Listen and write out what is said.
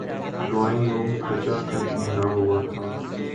Drawing room کھچا کھچ بھرا ہوا تھا۔